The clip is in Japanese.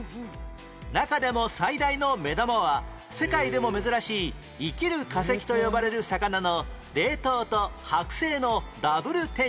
中でも最大の目玉は世界でも珍しい「生きる化石」と呼ばれる魚の冷凍とはく製のダブル展示